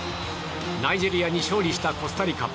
ナイジェリアに勝利したコスタリカ。